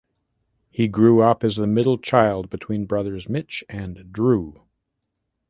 He grew up as the middle child between brothers Mitch and Drew.